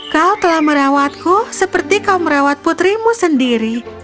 kau telah merawatku seperti kau merawat putrimu sendiri